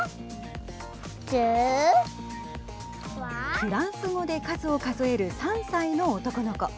フランス語で数を数える３歳の男の子。